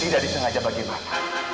tidak disengaja bagi mana